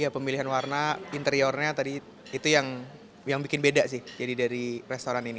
pemilihan warna interiornya tadi itu yang bikin beda sih dari restoran ini